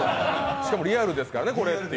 しかもリアルですからね。